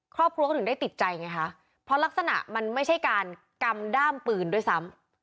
ครอบครัวก็ถึงได้ติดใจไงคะเพราะลักษณะมันไม่ใช่การกำด้ามปืนด้วยซ้ำ